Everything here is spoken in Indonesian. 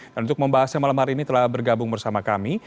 dan untuk membahasnya malam hari ini telah bergabung bersama kami